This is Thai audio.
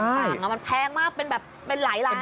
มันแพงมากเป็นแบบเป็นหลายล้านแล้วนะ